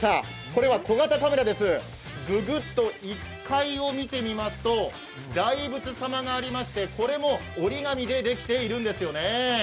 これは小型カメラです、１階を見てみますと、大仏様がありまして、これも折り紙でできているんですよね。